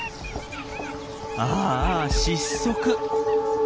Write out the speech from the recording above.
ああ失速！